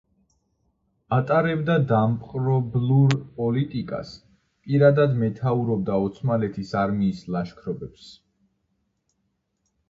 ატარებდა დამპყრობლურ პოლიტიკას, პირადად მეთაურობდა ოსმალეთის არმიის ლაშქრობებს.